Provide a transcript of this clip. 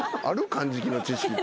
かんじきの知識って。